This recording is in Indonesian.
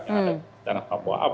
yang ada di tanah papua